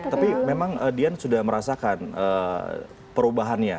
tapi memang dian sudah merasakan perubahannya